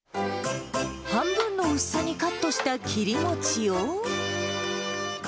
半分の薄さにカットした切り餅を。